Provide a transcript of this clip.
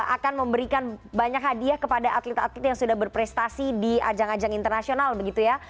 akan memberikan banyak hadiah kepada atlet atlet yang sudah berprestasi di ajang ajang internasional begitu ya